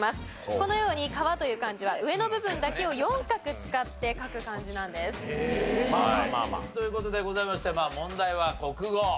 このように「革」という漢字は上の部分だけを４画使って書く漢字なんです。という事でございまして問題は国語。